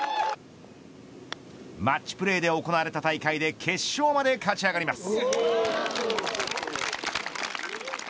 マッチプレーで行われた大会で決勝まで勝ち上がります。